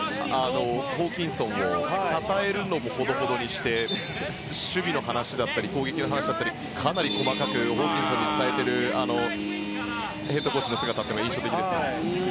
ホーキンソンをたたえるのもほどほどにして守備の話や攻撃の話をかなり細かくホーキンソンに伝えているのがヘッドコーチが印象的です。